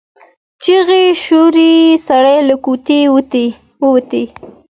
چیغې وشوې سړی له کوټې ووت.